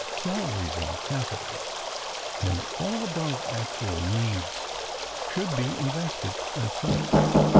Salaries are capital, and all above actual needs should be invested as such.